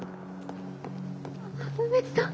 あ梅津さん！